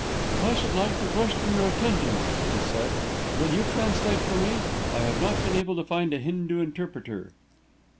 "I should like to question your attendant," he said. "Will you translate for me? I have not been able to find a Hindu interpreter."